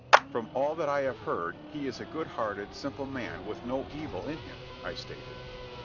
"From all that I have heard, he is a good hearted, simple man with no evil in him," I stated.